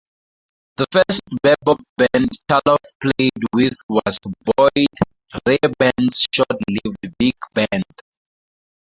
The first bebop band Chaloff played with was Boyd Raeburn's short-lived big band.